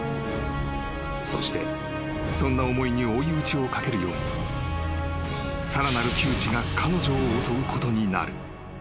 ［そしてそんな思いに追い打ちをかけるようにさらなる窮地が彼女を襲うことになる］